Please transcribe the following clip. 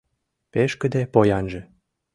«Пешкыде поянже